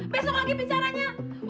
besok lagi bicaranya